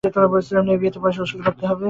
বলেছিলাম না এই বিয়েতে পয়সা উসুল হবে।